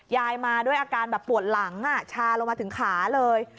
มาด้วยอาการแบบปวดหลังชาลงมาถึงขาเลย